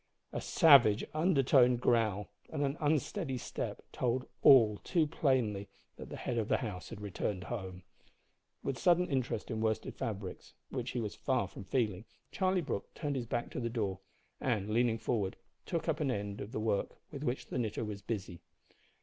A savage undertoned growl and an unsteady step told all too plainly that the head of the house had returned home. With sudden interest in worsted fabrics, which he was far from feeling, Charlie Brooke turned his back to the door, and, leaning forward, took up an end of the work with which the knitter was busy.